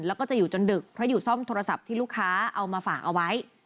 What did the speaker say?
แล้วก็จะอยู่จนดึกเพราะอยู่ซ่อมโทรศัพท์ที่ลูกค้าเอามาฝากเอาไว้